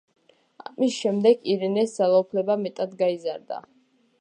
ამის შემდეგ, ირენეს ძალაუფლება მეტად გაიზარდა.